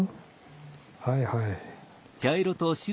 はいはい。